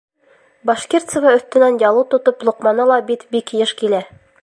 Башкирцева өҫтөнән ялыу тотоп Лоҡманы ла бит бик йыш килә.